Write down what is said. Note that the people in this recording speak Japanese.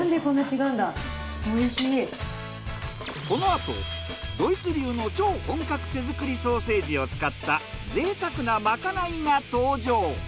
このあとドイツ流の超本格手作りソーセージを使った贅沢なまかないが登場。